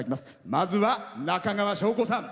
まずは中川翔子さん。